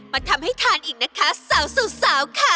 มาทำให้ทานอีกนะคะสาวสุดสาวค่ะ